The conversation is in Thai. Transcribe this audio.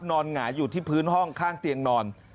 หงายอยู่ที่พื้นห้องข้างเตียงนอน